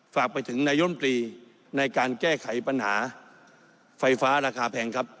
ฝากไปถึงนายมตรีในการแก้ไขปัญหาไฟฟ้าราคาแพงครับ